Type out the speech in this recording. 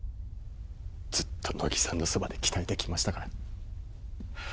ずっと乃木さんのそばで鍛えてきましたからは